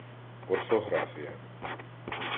Орфографія